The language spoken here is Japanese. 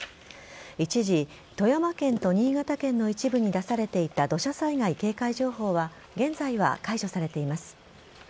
一時、富山県と新潟県の一部に出されていた土砂災害警戒情報は現在は解除されています。